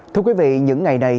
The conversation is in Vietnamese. thưa quý vị những ngày này